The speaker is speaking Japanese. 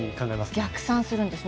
逆算するんですね。